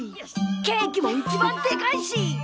ケーキも一番デカいし。